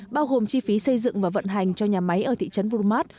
bao gồm chi phí xây dựng và vận hành cho nhà máy ở thị trấn bromart